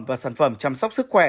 và sản phẩm chăm sóc sức khỏe